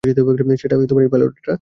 সেটা এই পাইলটেরা মানে।